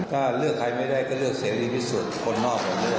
ก็เลือกใครไม่ได้ก็เลือกเสรีพิสุทธิ์คนนอกผมเลือก